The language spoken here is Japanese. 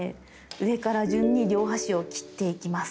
上から順に両端を切っていきます。